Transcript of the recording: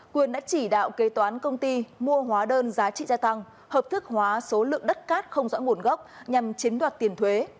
quyền đã chỉ đạo kế toán công ty mua hóa đơn giá trị gia tăng hợp thức hóa số lượng đất cát không rõ nguồn gốc nhằm chiếm đoạt tiền thuế